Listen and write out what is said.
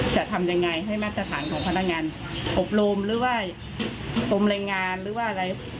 จะทำยังไงให้มาตรฐานของพนักงานอบรมหรือว่ากรมแรงงานหรือว่าอะไร